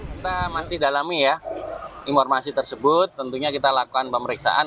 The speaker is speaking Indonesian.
kita masih dalami ya informasi tersebut tentunya kita lakukan pemeriksaan